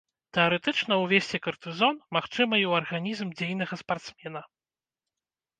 Тэарэтычна увесці картызон магчыма і ў арганізм дзейнага спартсмена.